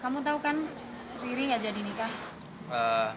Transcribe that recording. kamu tau kan riri gak jadi nikah